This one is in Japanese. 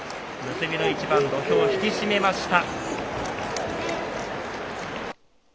結びの一番、土俵を引き締めました。